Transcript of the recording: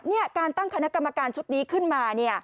นี่การตั้งคณะกรรมการชุดนี้ขึ้นมา